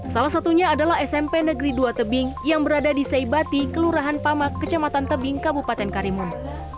salah satunya adalah smp negeri dua tebing yang berada di seibati kelurahan pamak kecamatan tebing kabupaten karimun